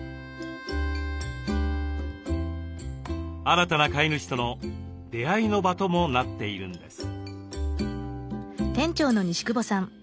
新たな飼い主との出会いの場ともなっているんです。